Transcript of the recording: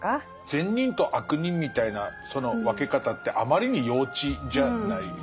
善人と悪人みたいなその分け方ってあまりに幼稚じゃないですか。